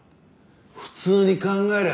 普通に考えりゃ